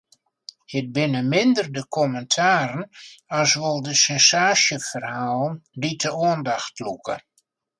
It binne minder de kommentaren as wol de sensaasjeferhalen dy't de oandacht lûke.